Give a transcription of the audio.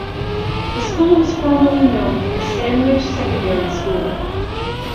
The school was formerly known as Sandwich Secondary School.